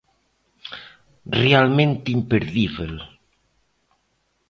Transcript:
Realmente imperdíbel.